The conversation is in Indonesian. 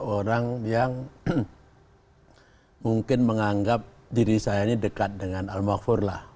orang yang mungkin menganggap diri saya ini dekat dengan al mahfur lah